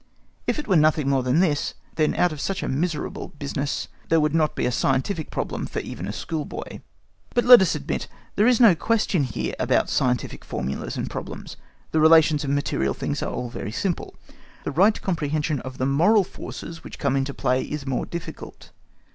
If it were nothing more than this, then out of such a miserable business there would not be a scientific problem for even a schoolboy. But let us admit: there is no question here about scientific formulas and problems; the relations of material things are all very simple; the right comprehension of the moral forces which come into play is more difficult.